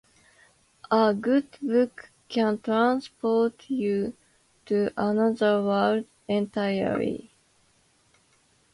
A good book can transport you to another world entirely.